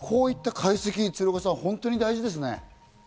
こういった解析、鶴岡さん、本当に大事ですね。